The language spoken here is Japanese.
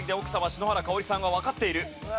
篠原かをりさんはわかっている。